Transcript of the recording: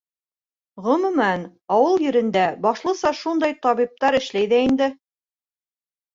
Ғөмүмән, ауыл ерендә башлыса шундай табиптар эшләй ҙә инде.